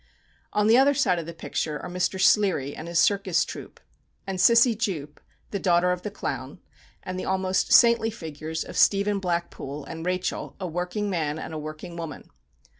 On the other side of the picture are Mr. Sleary and his circus troupe; and Cissy Jupe, the daughter of the clown; and the almost saintly figures of Stephen Blackpool, and Rachel, a working man and a working woman.